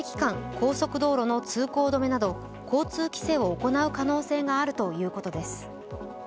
高速道路の通行止めなど、交通規制を行う可能性があるということです。